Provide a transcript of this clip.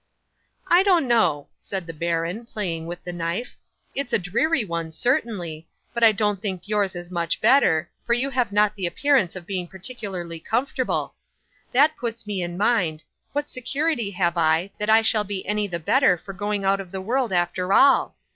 '"I don't know," said the baron, playing with the knife; "it's a dreary one certainly, but I don't think yours is much better, for you have not the appearance of being particularly comfortable. That puts me in mind what security have I, that I shall be any the better for going out of the world after all!"